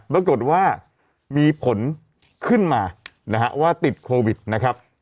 ปรากฏว่ามีผลขึ้นมานะฮะว่าติดโควิดนะครับ